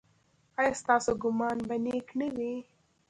ایا ستاسو ګمان به نیک نه وي؟